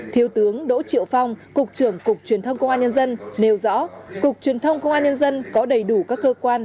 thiếu tướng đỗ triệu phong cục trưởng cục truyền thông công an nhân dân nêu rõ cục truyền thông công an nhân dân có đầy đủ các cơ quan